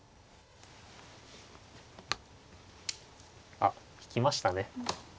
あっ引きましたね。